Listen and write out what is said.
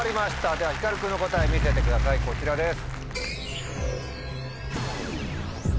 ではひかる君の答え見せてくださいこちらです。